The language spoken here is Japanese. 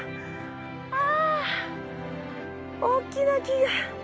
ああ大きな木だ。